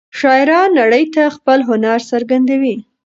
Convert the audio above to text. شاعران نړۍ ته خپل هنر څرګندوي.